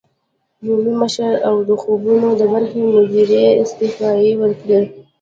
عمومي مشر او د خبرونو د برخې مدیرې استعفی ورکړې